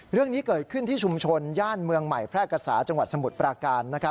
เรื่องนี้เกิดขึ้นที่ชุมชนย่านเมืองใหม่แพร่กษาจังหวัดสมุทรปราการ